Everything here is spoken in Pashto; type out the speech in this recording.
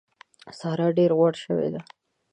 سارا ډېره غوړه شوې ده.